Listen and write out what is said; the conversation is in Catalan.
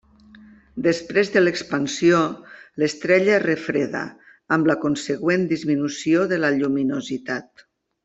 Després de l'expansió, l'estrella es refreda, amb la consegüent disminució de la lluminositat.